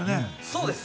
そうです。